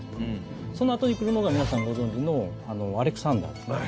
そのあとに来るのが皆さんご存じのアレクサンダーですね。